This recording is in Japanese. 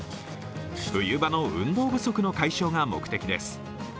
冬場の運動不足の解消が目的です。